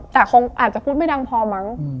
แต่คงอาจจะพูดไม่ดังพอมั้ง